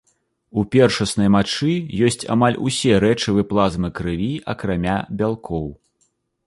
У першаснай мачы ёсць амаль усе рэчывы плазмы крыві, акрамя бялкоў.